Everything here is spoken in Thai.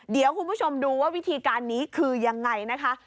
เดี๋ยวคุณผู้ชมดูว่าวิธีการนี้คือยังไงนะคะ